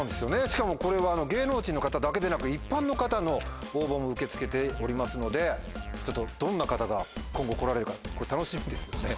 しかもこれは芸能人の方だけでなく一般の方の応募も受け付けておりますのでちょっとどんな方が今後来られるか楽しみですよね。